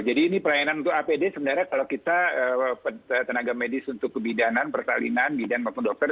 jadi ini pelayanan untuk apd sebenarnya kalau kita tenaga medis untuk kebidanan pertalinan bidan maupun dokter